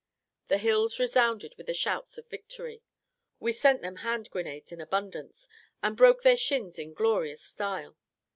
The hills resounded with the shouts of victory! We sent them hand grenades in abundance, and broke their shins in glorious style.